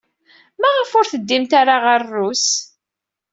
Maɣef ur teddim ara ɣer Rrus?